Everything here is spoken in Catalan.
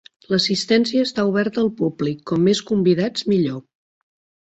L'assistència està oberta al públic; com més convidats, millor.